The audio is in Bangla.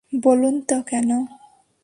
বলুন তো কেন?